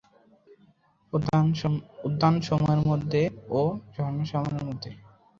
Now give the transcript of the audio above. উদ্যানসমূহের মধ্যে ও ঝরনাসমূহের মধ্যে?